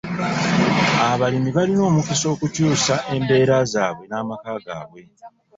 Abalimi balina omukisa okukyusa embeera zaabwe n'amaka gaabwe.